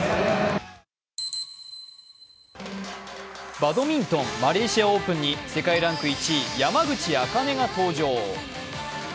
バドミントンマレーシアオープンに世界ランク１位、山口茜が登場。